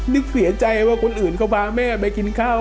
นึกเสียใจว่าคนอื่นเขาพาแม่ไปกินข้าว